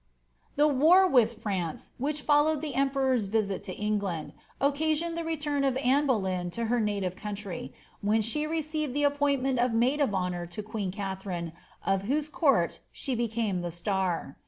95 The war with France^ which followed the emperor't visit to England, oceanoned the return of Anne Boleyn to her native country,* when she received the appointment of maid of honour to queen Katharine, of whose court she became the star.